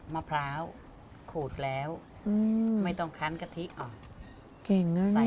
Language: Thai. มะพร้าวขูดแล้วอืมไม่ต้องคั้นกะทิออกเก่งน่ะเนี่ย